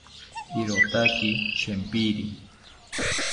Irotaki shempiri